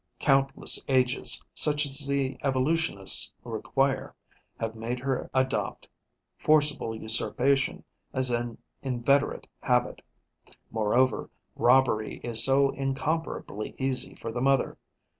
Countless ages, such as the evolutionists require, have made her adopt forcible usurpation as an inveterate habit. Moreover, robbery is so incomparably easy for the mother.